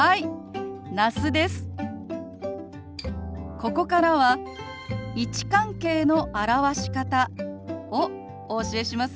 ここからは位置関係の表し方をお教えしますよ。